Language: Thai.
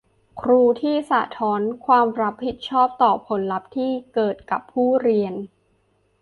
ครูที่สะท้อนความรับผิดชอบต่อผลลัพธ์ที่เกิดกับผู้เรียน